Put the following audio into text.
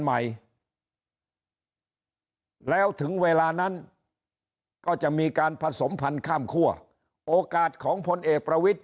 ใหม่แล้วถึงเวลานั้นก็จะมีการผสมพันธ์ข้ามคั่วโอกาสของพลเอกประวิทธิ